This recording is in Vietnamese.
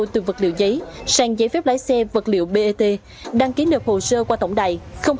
từ vật liệu giấy sang giấy phép lái xe vật liệu bat đăng ký nợp hồ sơ qua tổng đài hai mươi tám một nghìn tám mươi một